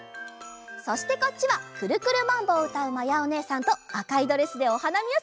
そしてこっちは「くるくるマンボ」をうたうまやおねえさんとあかいドレスでおはなみをするまやおねえさん。